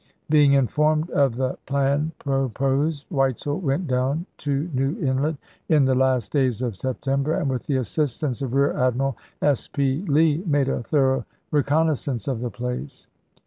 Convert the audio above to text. Being informed of the plan pro posed Weitzel went down to New Inlet in the last days of September, and with the assistance 1864 of Rear Admiral S. P. Lee made a thorough re connaissance of the place.